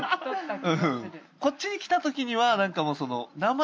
こっちに来たときにはなんかもうその名前。